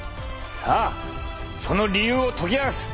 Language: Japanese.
さあその理由を解き明かす